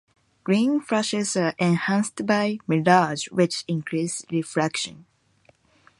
Green flashes are enhanced by mirage, which increase refraction.